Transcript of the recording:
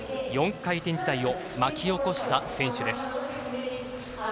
４回転時代を巻き起こした選手。